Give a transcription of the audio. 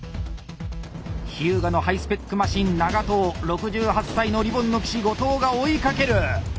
日向のハイスペックマシン長渡を６８歳のリボンの騎士後藤が追いかける！